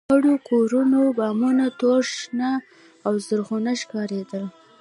د خړو کورونو بامونه تور، شنه او زرغونه ښکارېدل.